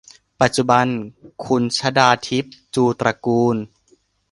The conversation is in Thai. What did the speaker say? ปัจจุบัน คุณชฎาทิพ จูตระกูล